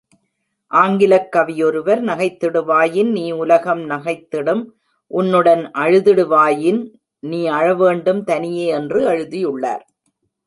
ஆங்கிலக் கவியொருவர், நகைத்திடுவாயின் நீ உலகம் நகைத்திடும் உன்னுடன் அழுதிடுவாயின் நீ அழவேண்டும் தனியே என்று எழுதியுள்ளார்.